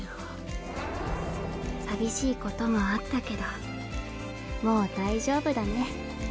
寂しいこともあったけどもう大丈夫だね。